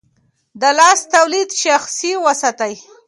د لاس توليه شخصي وساتئ.